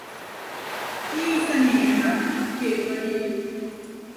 หนี้เสน่หา - เกตุวดี